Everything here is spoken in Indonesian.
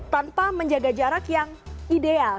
tanpa menjaga jarak yang ideal